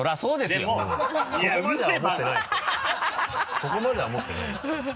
そこまでは思ってないですよ。